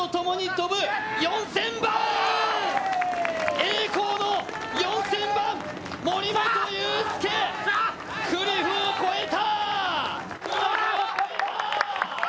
栄光の４０００番、森本裕介、クリフを越えた。